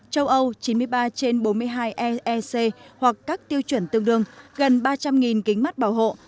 châu âu chín mươi ba trên bốn mươi hai eec hoặc các tiêu chuẩn tương đương gần ba trăm linh kính mắt bảo hộ